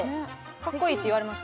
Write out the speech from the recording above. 格好いいって言われます？